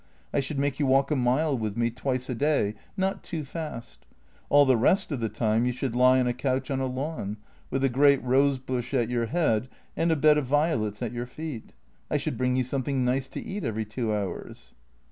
I should make you walk a mile with me twice a day — not too fast. All the rest of the time you should lie on a couch on a lawn, with a great rose bush at your head and a bed of violets at your feet. I should bring you something nice to eat every two hours."